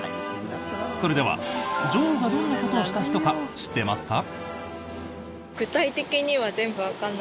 それでは女王がどんなことをした人か知ってますか？